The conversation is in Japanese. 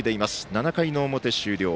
７回の表、終了。